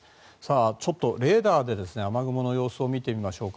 ちょっとレーダーで雨雲の様子を見てみましょうか。